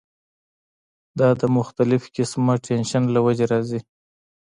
دا د مختلف قسمه ټېنشن له وجې راځی